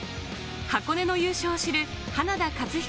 箱根の優勝を知る花田勝彦